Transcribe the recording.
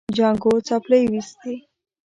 جانکو څپلۍ وېستې.